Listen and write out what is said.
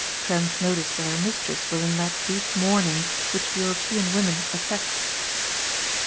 Trent noticed that her mistress was in that deep mourning which European women affect.